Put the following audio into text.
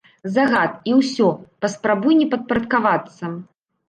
Загад, і ўсё, паспрабуй не падпарадкавацца!